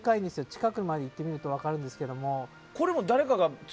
近くまで行ってもらうと分かるんですけど。